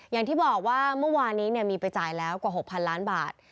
อย่างที่บอกว่าเมื่อวานนี้มีไปจ่ายแล้วกว่า๖๐๐ล้านบาท